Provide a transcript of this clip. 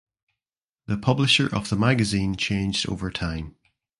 The publisher of the magazine changed over time.